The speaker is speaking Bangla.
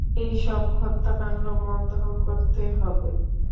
এইসব হত্যাকাণ্ড বন্ধ করতে হবে।